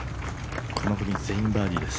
この組全員バーディーです。